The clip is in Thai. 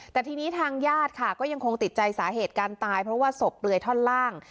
แต่ทีนี้ทางญาติค่ะก็ยังคงติดใจสาเหตุการตายเพราะว่าศพเปลือยท่อนล่าง